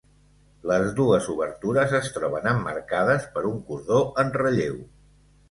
Les dues obertures es troben emmarcades per un cordó en relleu.